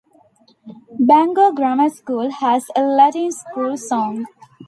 Bangor Grammar School has a Latin school song.